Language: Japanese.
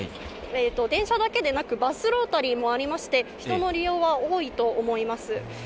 電車だけでなくバスロータリーもありまして、人の利用は多いと思います。